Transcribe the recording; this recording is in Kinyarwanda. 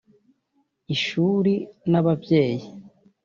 Ishuri n’ababyeyi